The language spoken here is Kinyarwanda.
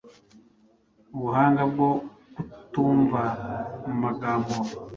Ubuhanga bwo kutumva mu magambo